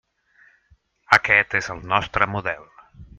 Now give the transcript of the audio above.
Aquest és el nostre model.